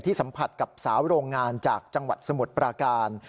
สัมผัสกับสาวโรงงานจากจังหวัดสมุทรปราการ